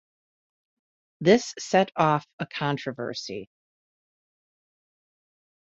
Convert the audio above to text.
This set off a controversy.